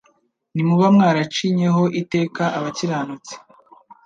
Ntimuba mwaracinyeho iteka abakiranutsi.